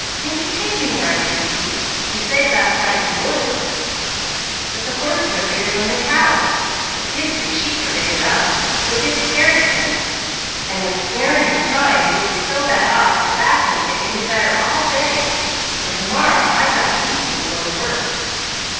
Mickey, take me where I can see. You said last night you would." "But the horses are bigger than the cows. You'll get scared again, and with scaring and crying you'll be so bad off your back won't get any better all day, and to morrow I got to leave you and go to work."